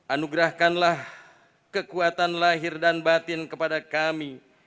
anugerahkanlah kekuatan lahir dan batin kepada kami